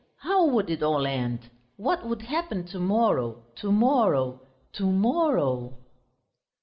How would it all end? What would happen to morrow, to morrow, to morrow?"...